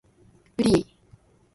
フリー